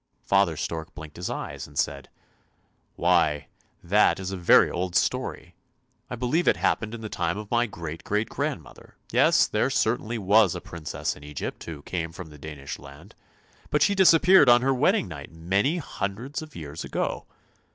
Father stork blinked his eyes and said, " Why, that is a very old story ; I believe it happened in the time of my great great grandmother. Yes, there certainly was a princess in Egypt who came from the Danish land, but she disappeared on her wedding night many hundred years ago.